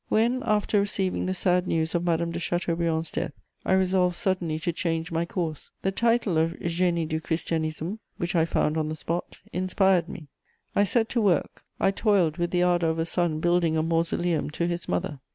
_* When, after receiving the sad news of Madame de Chateaubriand's death, I resolved suddenly to change my course, the title of Génie du Christianisme, which I found on the spot, inspired me: I set to work; I toiled with the ardour of a son building a mausoleum to his mother.